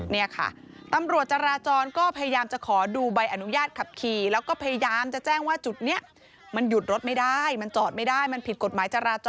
นี่ค่ะตำรวจจราจรก็พยายามจะขอดูใบอนุญาตขับขี่แล้วก็พยายามจะแจ้งว่าจุดนี้มันหยุดรถไม่ได้มันจอดไม่ได้มันผิดกฎหมายจราจร